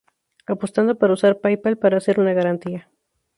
Apostando para usar PayPal para hacer una garantía.